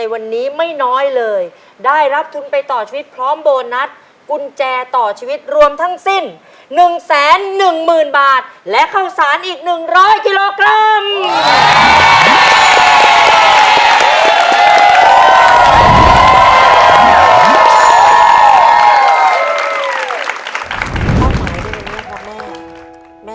วันนี้ไม่น้อยเลยได้รับทุนไปต่อชีวิตพร้อมโบนัสกุญแจต่อชีวิตรวมทั้งสิ้น๑๑๐๐๐บาทและข้าวสารอีก๑๐๐กิโลกรัม